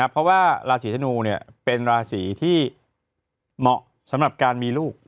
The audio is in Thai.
เพราะว่าราศีธนูเป็นราศีที่เหมาะสำหรับการมีลูก